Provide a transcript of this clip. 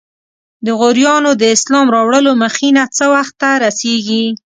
د غوریانو د اسلام راوړلو مخینه څه وخت ته رسیږي؟